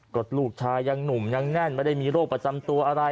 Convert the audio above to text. ก็ลูกชายยังหนุ่มยังแน่นไม่ได้มีโรคประจำตัวอะไร